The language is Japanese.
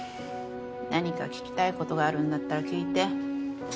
何か聞きたいことがあるんだったら聞いて。